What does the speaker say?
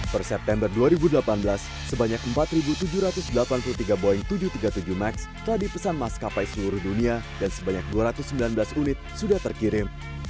per september dua ribu delapan belas sebanyak empat tujuh ratus delapan puluh tiga boeing tujuh ratus tiga puluh tujuh max telah dipesan maskapai seluruh dunia dan sebanyak dua ratus sembilan belas unit sudah terkirim